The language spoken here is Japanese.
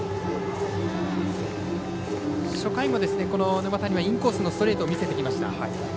初回も沼田にはインコースのストレートを見せてきました。